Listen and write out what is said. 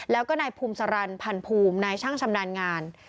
แล้วก็นายภูมิสารันพันภูมินายช่างชำนาญงาน